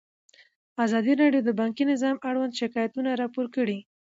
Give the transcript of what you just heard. ازادي راډیو د بانکي نظام اړوند شکایتونه راپور کړي.